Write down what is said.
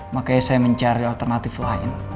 makanya saya mencari alternatif lain